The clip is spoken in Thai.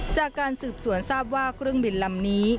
จากการสืบสวนทราบว่าเครื่องบินลำนี้